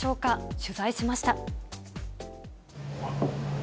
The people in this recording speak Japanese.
取材しました。